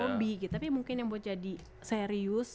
hobi gitu tapi mungkin yang mau jadi serius